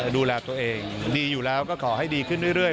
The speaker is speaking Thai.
ดูแลตัวเองดีอยู่แล้วก็ขอให้ดีขึ้นเรื่อย